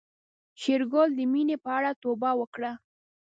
شېرګل د مينې په اړه توبه وکړه.